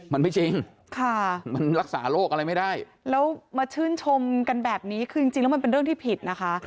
มันไม่จริงค่ะมันรักษาโรคอะไรไม่ได้แล้วมาชื่นชมกันแบบนี้คือจริงแล้วมันเป็นเรื่องที่ผิดนะคะ